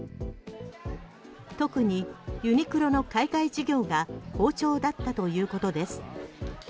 特にユニクロの海外事業が好調だったということです。